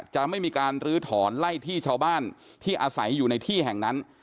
จะไม่มีการลื้อถอนไล่ที่ชาวบ้านที่อาศัยอยู่ในที่แห่งนั้น